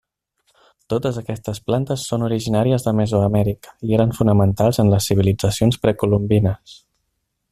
Totes aquestes plantes són originàries de Mesoamèrica i eren fonamentals en les civilitzacions precolombines.